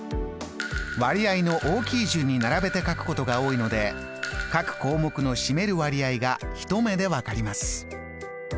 割合の大きい順に並べて書くことが多いので各項目の占める割合が一目で分かります。